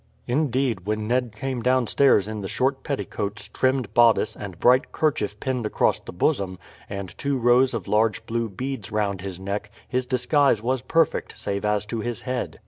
Indeed, when Ned came downstairs in the short petticoats, trimmed bodice, and bright kerchief pinned across the bosom, and two rows of large blue beads round his neck, his disguise was perfect, save as to his head.